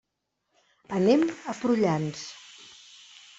Anem a Prullans.